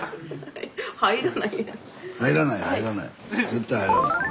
絶対入らない。